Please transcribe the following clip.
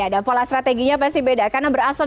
ya dan pola strateginya pasti beda karena berasal